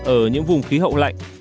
ở những vùng khí hậu lạnh